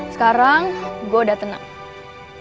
sekarang gue udah tenang